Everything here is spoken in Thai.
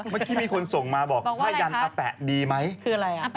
เมื่อกี้มีคนส่งมาบอกบอกว่าอะไรคะพ่ายันอแปะดีไหมคืออะไรอ่ะ